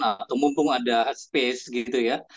atau mumpung ada space gitu ya